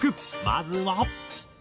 まずは。